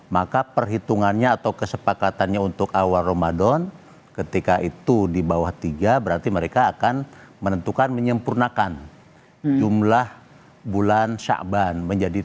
maka perhitungannya atau kesepakatannya untuk awal ramadan ketika itu di bawah tiga berarti mereka akan menentukan menyempurnakan jumlah bulan syakban